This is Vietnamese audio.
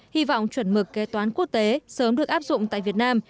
hy vọng chuẩn mực kế toán quốc tế sớm được áp dụng tại việt nam